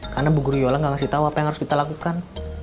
karena ibu guru yola gak ngasih tau apa yang harus kita lakukan